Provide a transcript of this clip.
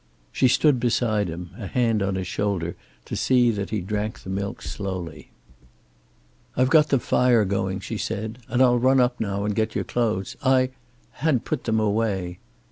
She stood beside him, a hand on his shoulder, to see that he drank the milk slowly. "I've got the fire going," she said. "And I'll run up now and get your clothes. I had put them away."